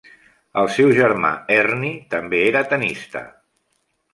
El seu germà Ernie també era tennista.